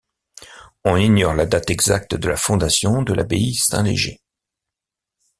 On ignore la date exacte de la fondation de l'abbaye Saint-Léger.